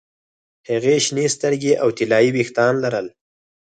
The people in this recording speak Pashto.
هغې شنې سترګې او طلايي ویښتان لرل